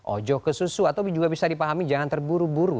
ojo kesusu atau juga bisa dipahami jangan terburu buru